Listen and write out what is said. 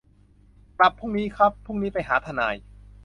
กลับพรุ่งนี้ครับ พรุ่งนี้ไปหาทนาย